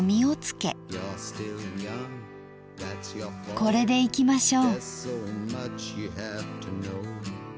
これでいきましょう。